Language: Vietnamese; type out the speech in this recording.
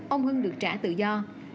ông hưng được trả tự do